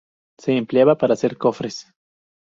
Se empleaba para hacer cofres.